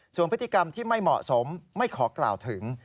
ส่วนพฤติกรรมที่ไม่เหมาะสมไม่ขอกล่าวถึง